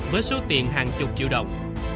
với số tiền hàng chục triệu đồng